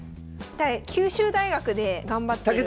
九州大学で頑張ってる。